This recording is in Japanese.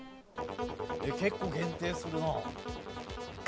結構限定するなあ。